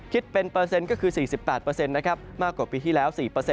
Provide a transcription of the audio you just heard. คิดเป็นเปอร์เซ็นต์ก็คือ๔๘นะครับมากกว่าปีที่แล้ว๔